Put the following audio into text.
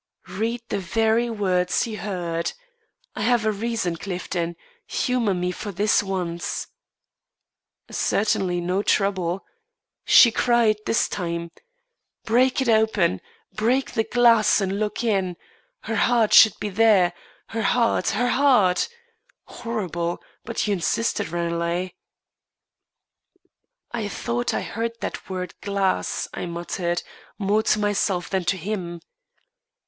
"Read the very words he heard. I have a reason, Clifton. Humour me for this once." "Certainly no trouble. She cried, this time: 'Break it open! Break the glass and look in. Her heart should be there her heart her heart! Horrible! but you insisted, Ranelagh." "I thought I heard that word glass," I muttered, more to myself than to him.